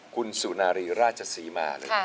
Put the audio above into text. คุณสุนารีราชศรีมา